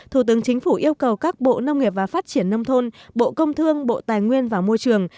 thủ tướng chính phủ yêu cầu các bộ nông nghiệp và phát triển nông thôn bộ công thương bộ tài nguyên và môi trường